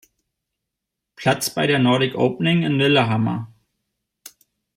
Platz bei der Nordic Opening in Lillehammer.